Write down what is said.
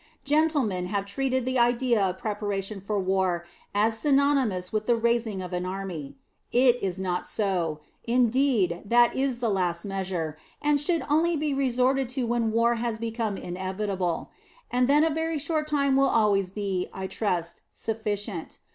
Gentlemen have treated the idea of preparation for war as synonymous with the raising of an army. It is not so; indeed, that is the last measure, and should only be resorted to when war has become inevitable; and then a very short time will always be, I trust, sufficient.